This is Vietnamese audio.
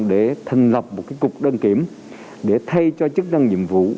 để thành lập một cái cục đơn kiểm để thay cho chức năng nhiệm vụ